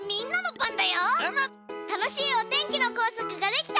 たのしいおてんきのこうさくができたら。